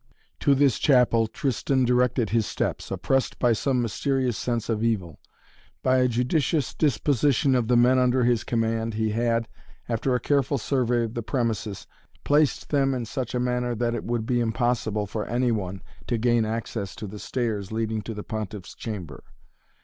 To this chapel Tristan directed his steps, oppressed by some mysterious sense of evil. By a judicious disposition of the men under his command he had, after a careful survey of the premises, placed them in such a manner that it would be impossible for any one to gain access to the stairs leading to the Pontiff's chamber.